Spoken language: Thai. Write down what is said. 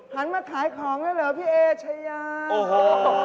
หันมาขายของได้เหรอพี่เอชยาโอ้โหโอ้โห